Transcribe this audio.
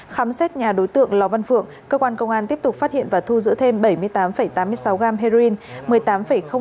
khám xét nhà đối tượng lò văn phượng cơ quan công an tiếp tục phát hiện và thu giữ thêm bảy mươi tám tám mươi sáu gram heroin